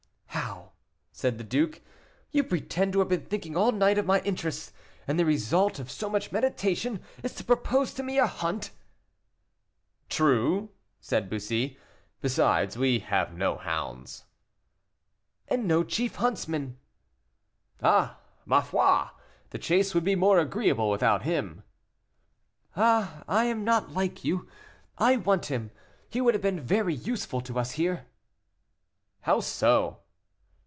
"How!" said the duke, "you pretend to have been thinking all night of my interests, and the result of so much meditation is to propose to me a hunt!" "True," said Bussy; "besides, we have no hounds." "And no chief huntsman." "Ah, ma foi! the chase would be more agreeable without him." "Ah, I am not like you I want him; he would have been very useful to us here." "How so?"